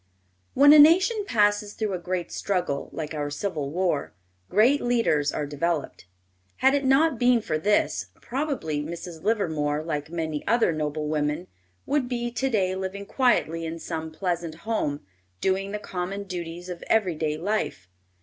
] When a nation passes through a great struggle like our Civil War, great leaders are developed. Had it not been for this, probably Mrs. Livermore, like many other noble women, would be to day living quietly in some pleasant home, doing the common duties of every day life.